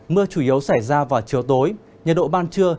mưa chủ yếu xảy ra vào chiều tối nhiệt độ ban trưa